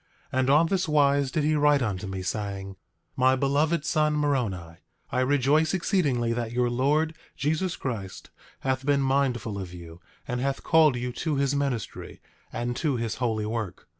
And on this wise did he write unto me, saying: 8:2 My beloved son, Moroni, I rejoice exceedingly that your Lord Jesus Christ hath been mindful of you, and hath called you to his ministry, and to his holy work.